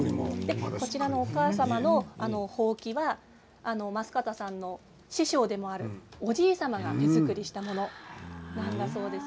お母様のほうきは増形さんの師匠でもあるおじい様が手作りしたものだそうです。